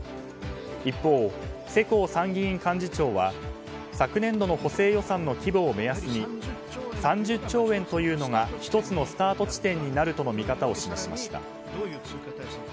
一方、世耕参議院幹事長は昨年度の補正予算の規模を目安に３０兆円というのが１つのスタート地点になるとの見方を示しました。